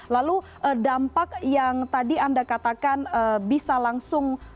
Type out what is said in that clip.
lalu dampak yang tadi anda katakan bisa langsung mengenai para pekerja kontrak ini seperti apa pak